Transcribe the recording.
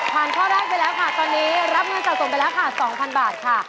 ข้อแรกไปแล้วค่ะตอนนี้รับเงินสะสมไปแล้วค่ะ๒๐๐บาทค่ะ